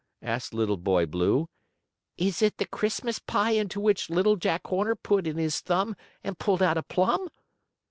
asked Little Boy Blue. "Is it the Christmas pie into which Little Jack Horner put in his thumb and pulled out a plum?"